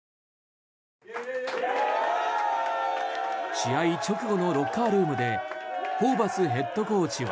試合直後のロッカールームでホーバスヘッドコーチは。